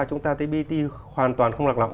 chúng ta thấy brt hoàn toàn không lạc lõng